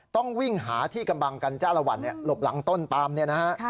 ต้องวิ่งหาที่กำบังกันจ้าละวันหลบหลังต้นปามเนี่ยนะฮะ